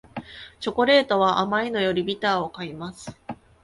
チョコレートは甘いのよりビターを買います